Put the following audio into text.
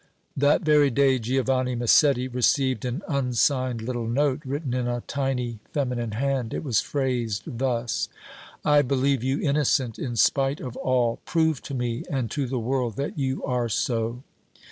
That very day Giovanni Massetti received an unsigned little note, written in a tiny feminine hand. It was phrased thus: "I believe you innocent in spite of all! Prove to me and to the world that you are so."